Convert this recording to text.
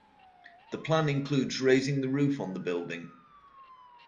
The plan includes raising the roof on the building.